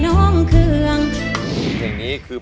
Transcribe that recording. ทุกคนนี้ก็ส่งเสียงเชียร์ทางบ้านก็เชียร์